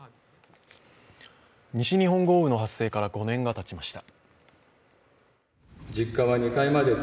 西日本豪雨の発生から５年がたちました。